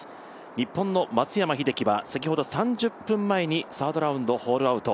日本の松山英樹は先ほど３０分前にホールアウト。